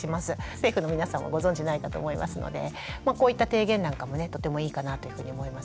政府の皆さんもご存じないかと思いますのでこういった提言なんかもねとてもいいかなというふうに思います。